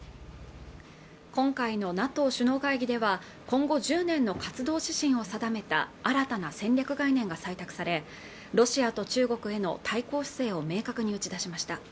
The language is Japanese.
今回のＮＡＴＯ首脳会議では今後１０年の活動指針を定めた新たな戦略概念が採択されロシアと中国への対抗姿勢を明確に打ち出しました